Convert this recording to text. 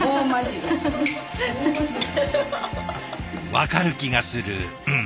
分かる気がするうん。